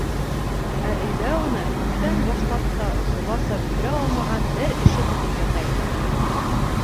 Ә өйҙә уны күптән башлап та ошоғаса бөтөрә алмаған бер эше көтөп ята ине.